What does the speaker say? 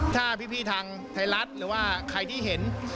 ถ้าพี่ทางไทยรัฐหรือว่าใครที่เห็น